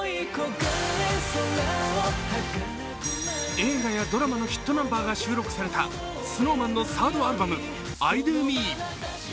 映画やドラマのヒットナンバーが収録されたＳｎｏｗＭａｎの３ｒｄアルバム「ｉＤＯＭＥ」。